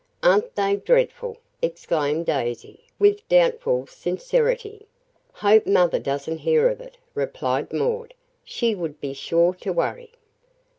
"Aren't they dreadful?" exclaimed Daisy with doubtful sincerity. "Hope mother doesn't hear of it," replied Maud. "She would be sure to worry."